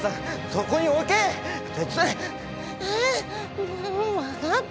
えっ！？